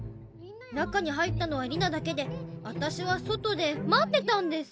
中に入ったのはリナだけであたしは外でまってたんです。